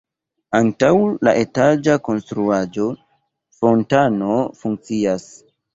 Antaŭ la etaĝa konstruaĵo fontano funkcias.